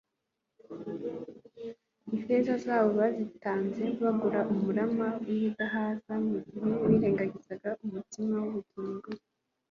Ifeza zabo bazitanze bagura umurama w'ibidahaza mu gihe birengagizaga umutsima w'ubugingo